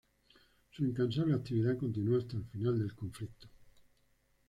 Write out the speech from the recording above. Su incansable actividad continuó hasta el final del conflicto.